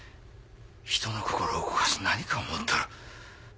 人の心を動かす何かを持っとる。